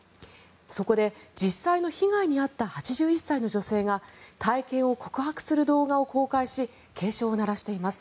そこで実際の被害に遭った８１歳の女性が体験を告白する動画を公開し警鐘を鳴らしています。